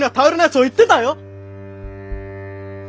そう言ってたよ！